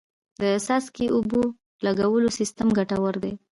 د څاڅکي اوبو لګولو سیستم ګټور دی.